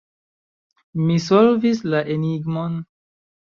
Mi solvis la enigmon.